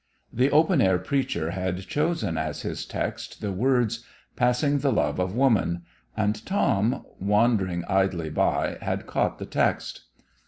The open air preacher had chosen as his text the words, "passing the love of woman," and Tom, wandering idly by, had caught the text.